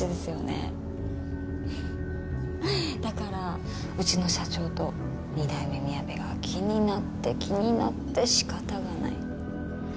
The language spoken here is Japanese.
フフだからうちの社長と二代目みやべが気になって気になって仕方がない。